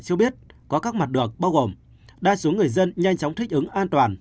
cho biết có các mặt đoạn bao gồm đa số người dân nhanh chóng thích ứng an toàn